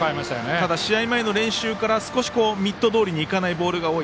ただ、試合前の練習から少しミットどおりにいかないボールが多い。